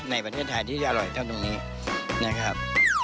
ในประเทศไทยที่จะอร่อยเท่าตรงนี้นะครับ